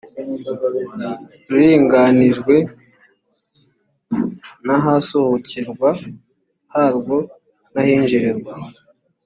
ruringanijwe n’ahasohokerwa harwo n’ahinjirirwa